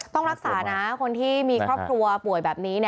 ต้องรักษานะคนที่มีครอบครัวป่วยแบบนี้